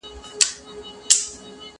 زه له سهاره مېوې وچوم؟